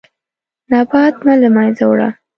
نبات مه له منځه وړه.